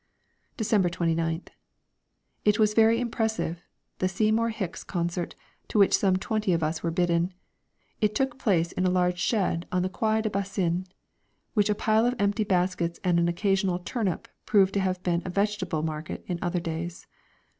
December 29th. It was very impressive, the Seymour Hicks concert, to which some twenty of us were bidden. It took place in a large shed on the Quai du Bassin, which a pile of empty baskets and an occasional turnip prove to have been a vegetable market in other days.